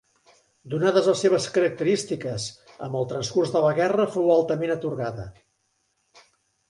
Donades les seves característiques, amb el transcurs de la guerra fou altament atorgada.